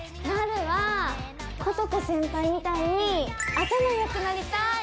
なるはことこ先輩みたいに頭よくなりたい！